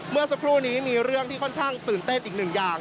เมื่อสักครู่นี้มีเรื่องที่ค่อนข้างตื่นเต้นอีกหนึ่งอย่าง